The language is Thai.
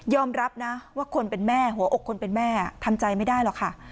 รับนะว่าคนเป็นแม่หัวอกคนเป็นแม่ทำใจไม่ได้หรอกค่ะ